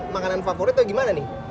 makanan favorit atau gimana nih